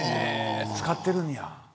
使ってるんや。